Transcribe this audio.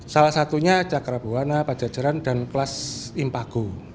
salah satunya cakrabuana pajajaran dan kelas impago